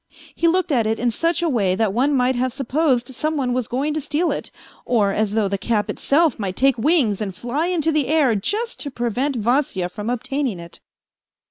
He looked at it in such a way that one might have supposed some one was going to steal it, or as though the cap itself might take wings and fly into the air just to prevent Vasya from obtaining it.